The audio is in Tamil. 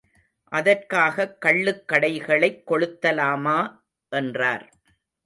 அதற்காகக் கள்ளுக்கடைகளைக் கொளுத்தலாமா? என்றார்.